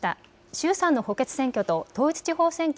衆参の補欠選挙と統一地方選挙